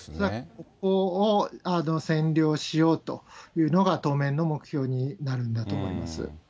ここを占領しようというのが、当面の目標になるんだと思います。